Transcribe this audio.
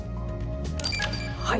はい。